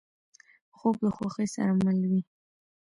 خوب د خوښۍ سره مل وي